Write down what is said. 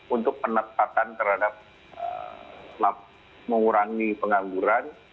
untuk penetapan terhadap mengurangi pengangguran